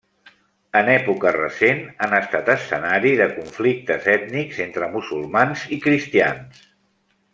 En època recent han estat escenari de conflictes ètnics entre musulmans i cristians.